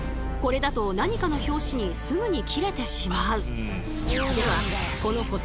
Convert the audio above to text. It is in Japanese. これだと何かの拍子にすぐに切れてしまう。